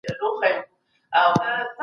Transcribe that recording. برتري ورکول د اختلافاتو لامل کیدی سي.